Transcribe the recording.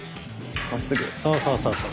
そうそうそうそう。